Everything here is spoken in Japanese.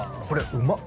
うんまっ！